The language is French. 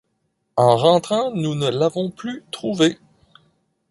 En rentrant nous ne l’avons plus trouvé.